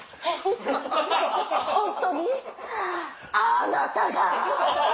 あなたが⁉」。